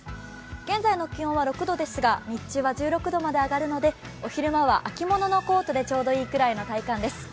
現在の気温は６度ですが日中は１６度まで上がるのでお昼間は秋物のコートでちょうどいいぐらいの体感です。